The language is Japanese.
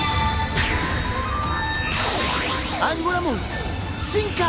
アンゴラモン進化！